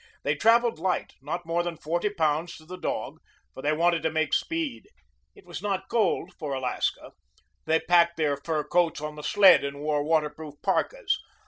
They traveled light, not more than forty pounds to the dog, for they wanted to make speed. It was not cold for Alaska. They packed their fur coats on the sled and wore waterproof parkas.